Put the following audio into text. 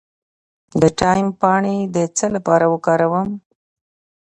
د تایم پاڼې د څه لپاره وکاروم؟